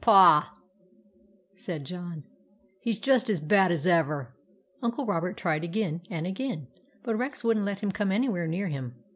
" Pah !" said John, " he 's just as bad as ever !" Uncle Robert tried again and again, but Rex would n't let him come anywhere near him.